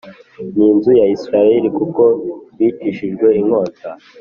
n inzu ya Isirayeli kuko bicishijwe inkota